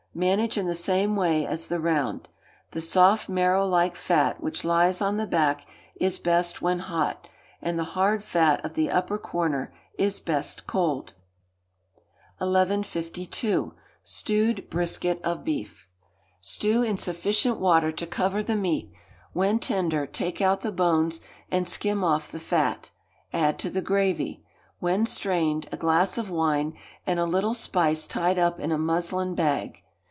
Manage in the same way as the round. The soft, marrow like fat which lies on the back is best when hot, and the hard fat of the upper corner is best cold. 1152. Stewed Brisket of Beef. Stew in sufficient water to cover the meat; when tender, take out the bones, and skim off the fat; add to the gravy, when strained, a glass of wine, and a little spice tied up in a muslin bag.